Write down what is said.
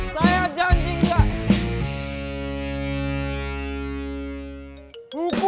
saya janji gak telat lagi